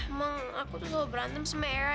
emang aku tuh selalu berantem sama era